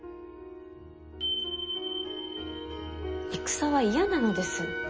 戦は嫌なのです。